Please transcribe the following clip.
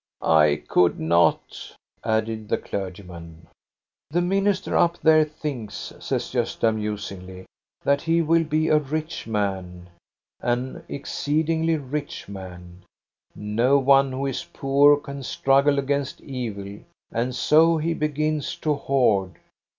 " I could not," added the clergyman. "The minister up there thinks," says Gosta, mus ingly, " that he will be a rich man, an exceedingly 3S3 THE STORY OF GOSTA BERLING nch man. No one who is poor can struggle against ei iL And so he begins to hoard."